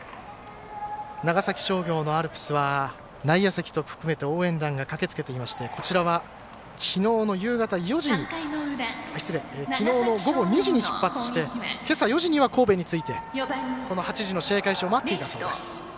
長崎商業のアルプスは内野席も含めて応援団が駆けつけていましてきのうの午後２時に出発してけさ４時には、神戸に着いて８時の試合開始を待っていたそうです。